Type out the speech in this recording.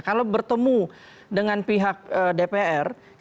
kalau bertemu dengan pihak dpr